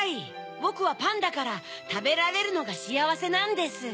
ぼくはパンだからたべられるのがしあわせなんです。